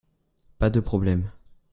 Pas de problème !